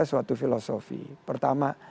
suatu filosofi pertama